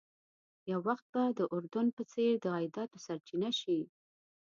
یو وخت به د اردن په څېر د عایداتو سرچینه شي.